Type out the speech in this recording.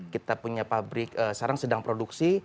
kita punya pabrik sekarang sedang produksi